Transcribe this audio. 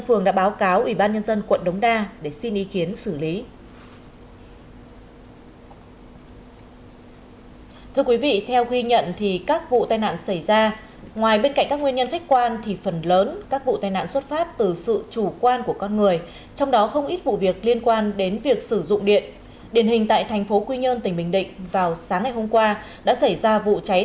ubnd phường đã báo cáo ubnd quận đống đa để xin ý kiến xử lý